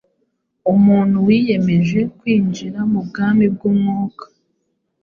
Umuntu wiyemeje kwinjira mu bwami bw’Umwuka